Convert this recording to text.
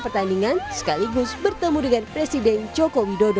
pertandingan sekaligus bertemu dengan presiden jokowi dodo